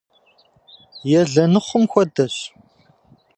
Елэныхъум хуэдэщ.